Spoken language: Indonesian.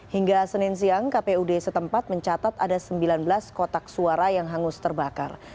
hingga senin siang kpud setempat mencatat ada sembilan belas kotak suara yang hangus terbakar